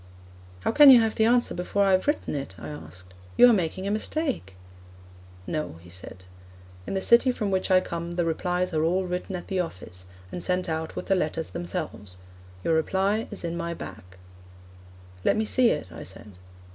'How can you have the answer before I have written it?' I asked. 'You are making a mistake.' 'No,' he said. 'In the city from which I come the replies are all written at the office, and sent out with the letters themselves. Your reply is in my bag.' 'Let me see it,' I said.